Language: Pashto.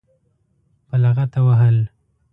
په لغته وهل.